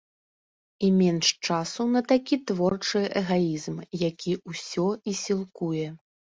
І менш часу на такі творчы эгаізм, які ўсё і сілкуе.